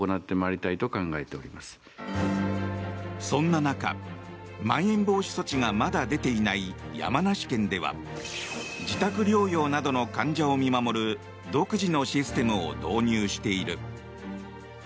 そんな中、まん延防止措置がまだ出ていない山梨県では自宅療養などの患者を見守る独自のシステムを導入している。